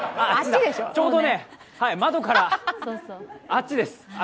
ちょうど窓から、あっちです。